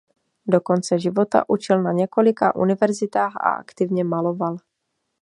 Do konce života učil na několika univerzitách a aktivně maloval.